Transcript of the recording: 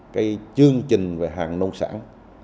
cái chương trình về hàng nông sản